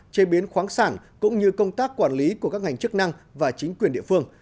chế biến khoáng sản cũng như công tác quản lý của các ngành chức năng và chính quyền địa phương